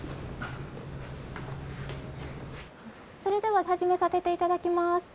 それでははじめさせていただきます。